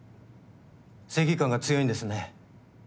正義感が強いんですね。